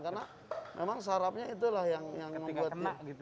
karena memang sarafnya itulah yang membuatnya